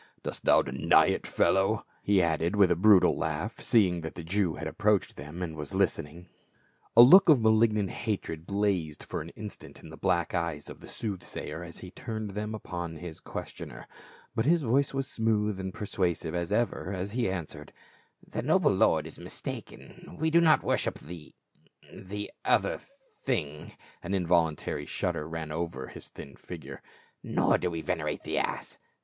Dost thou deny it, fellow?" he added with a brutal laugh, seeing that the Jew had ap proached them and was listening, 18 274 P.l UL. A look of malignant hatred blazed for an instant in the black eyes of the soothsayer as he turned them upon his questioner, but his voice was smooth and persuasive as ever as he answered, "The noble lord is mistaken ; we do not worship the — the — other thing,"* an involuntary shudder ran over his thin figure, " nor do we venerate the ass.